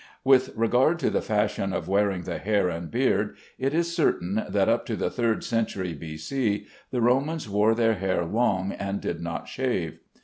With regard to the fashion of wearing the hair and beard, it is certain that up to the third century B.C., the Romans wore their hair long and did not shave.